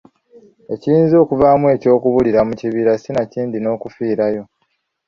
Ekiyinza okuvaamu eky'okubulira mu kibira sinakindi n’okufiirayo.